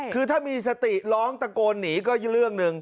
คือถ้ามีสติร้องตะโกนหนีก็เรื่องหนึ่ง